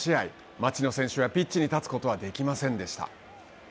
町野選手はピッチに立つことはできませんでした。